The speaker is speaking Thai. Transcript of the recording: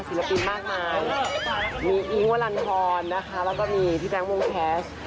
ศิลปินมากมายมีอิงวาลันทอนนะคะแล้วก็มีพี่แป๊งวงแคช